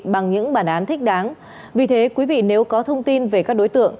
bằng những bản án thích đáng vì thế quý vị nếu có thông tin về các đối tượng